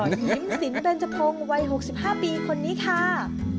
ยิ้มสินเบนจพงศ์วัย๖๕ปีคนนี้ค่ะ